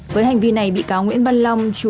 với hành vi này bị cáo nguyễn văn long